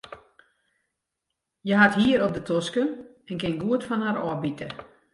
Hja hat hier op de tosken en kin goed fan har ôfbite.